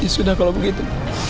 ya sudah kalau begitu